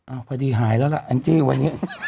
อ้าวพอดีหายแล้วละอันตรีวันนี้